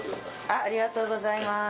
ありがとうございます。